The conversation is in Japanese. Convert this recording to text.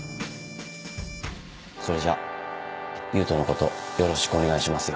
それじゃ勇人のことよろしくお願いしますよ。